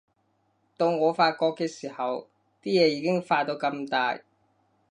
到我發覺嘅時候，啲嘢已經發到咁大